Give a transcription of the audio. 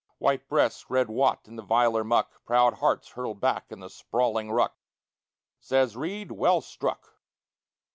White breasts red wat in the viler muck, Proud hearts hurled back in the sprawling ruck. Says Reid, "Well struck!"